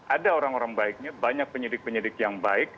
ada orang orang baiknya banyak penyidik penyidik yang baik